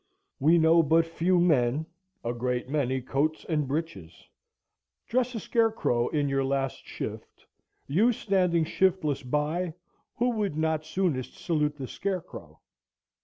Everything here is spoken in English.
We know but few men, a great many coats and breeches. Dress a scarecrow in your last shift, you standing shiftless by, who would not soonest salute the scarecrow?